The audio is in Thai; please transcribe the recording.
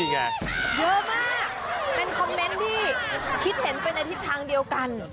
เยอะมากเป็นคอมเมนต์ที่คิดเห็นไปในทิศทางเดียวกัน